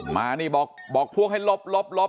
มานี่บอกพวกให้หลบหลบหลบ